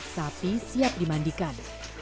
sapi siap dimandikan